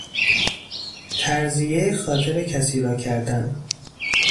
ترضیه خاطر کسی را کردن